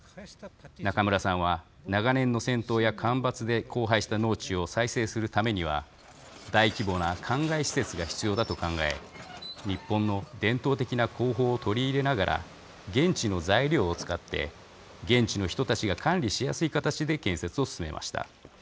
中村さんは、長年の戦闘や干ばつで荒廃した農地を再生するためには、大規模なかんがい施設が必要だと考え日本の伝統的な工法を取り入れながら現地の材料を使って現地の人たちが管理しやすい形で建設を進めました。